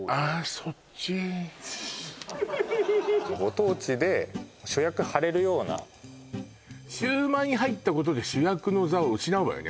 そっちご当地で主役はれるようなシュウマイに入ったことで主役の座を失うわよね